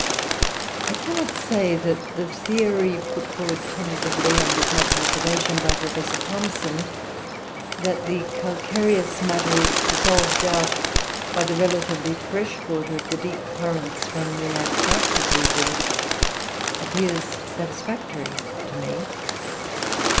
I cannot say that the theory put forward tentatively, and with much reservation by Professor Thomson, that the calcareous matter is dissolved out by the relatively fresh water of the deep currents from the Antarctic regions, appears satisfactory to me.